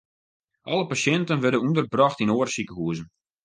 Alle pasjinten wurde ûnderbrocht yn oare sikehuzen.